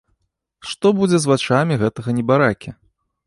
Што будзе з вачамі гэтага небаракі?